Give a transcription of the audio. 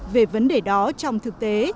về vấn đề đó trong thực tế